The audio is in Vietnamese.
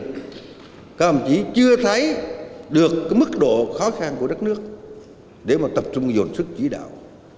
các bộ đường chỉ chưa thấy được mức độ khó khăn của đất nước để tập trung dồn sức chỉ đạo